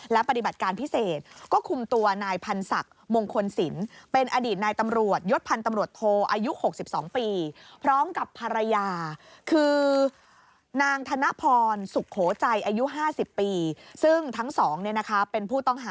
และปฏิบัติการพิเศษก็คุมตัวนายพันธุ์ศักดิ์มงคลสิน